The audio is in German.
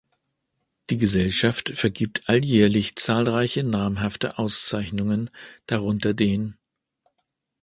Die Gesellschaft vergibt alljährlich zahlreiche namhafte Auszeichnungen, darunter den